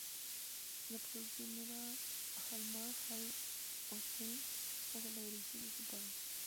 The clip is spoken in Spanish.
La producción era "Hallmark Hall of Fame", bajo la dirección de su padre.